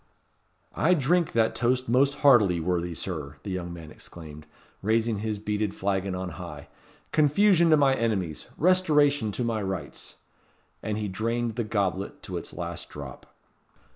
"I drink that toast most heartily, worthy Sir," the young man exclaimed, raising his beaded flagon on high. "Confusion to my Enemies Restoration to my Rights!" And he drained the goblet to its last drop.